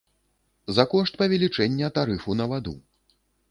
За кошт павелічэння тарыфу на ваду.